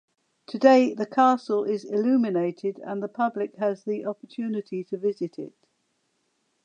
Today the castle is illuminated and the public has the opportunity to visit it.